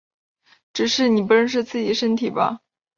只是你不认识自己的身体吧！